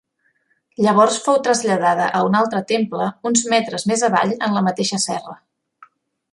Llavors fou traslladada a un altre temple, uns metres més avall en la mateixa serra.